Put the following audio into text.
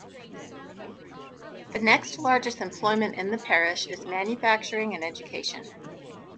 The next largest employment in the parish is manufacturing and education.